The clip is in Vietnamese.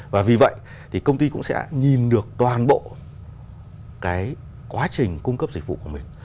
và vì vậy thì công ty cũng sẽ nhìn được toàn bộ cái quá trình cung cấp dịch vụ của mình